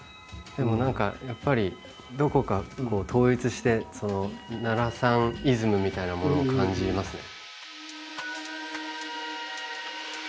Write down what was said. でも何かやっぱりどこか統一して奈良さんイズムみたいなものを感じますね。